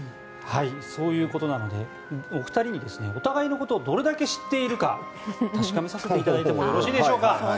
そういうことなのでお二人にお互いのことをどれだけ知っているか確かめさせていただいてもよろしいでしょうか。